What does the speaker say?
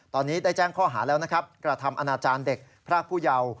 ตอนนี้ได้แจ้งข้อหาแล้วนะครับกระทำอนาจารย์เด็กพรากผู้เยาว์